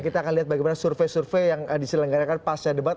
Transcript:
kita akan lihat bagaimana survei survei yang diselenggarakan pasca debat